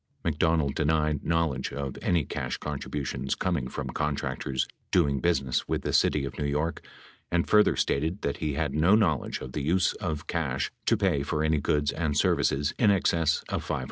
McDonald denied knowledge of any 562 cash contributions coming from contractors doing business with the city of New York and further stated that he had no knowledge of the use of cash to pay for any goods and services in excess of $500.